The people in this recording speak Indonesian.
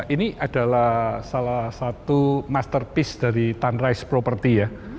ini adalah salah satu masterpiece dari sunrise property ya